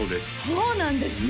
そうなんですね